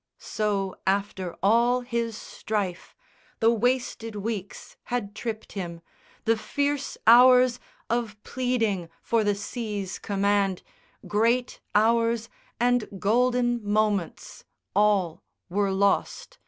So, after all his strife, The wasted weeks had tripped him, the fierce hours Of pleading for the sea's command, great hours And golden moments, all were lost.